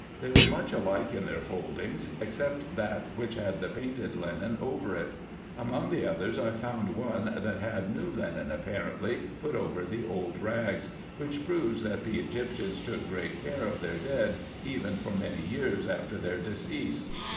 They were much alike in their foldings, except that which had the painted linen over it. Among the others I found one, that had new linen, apparently, put over the old rags ; which proves, that the Egyptians took great care of their dead, even for many years after their decease.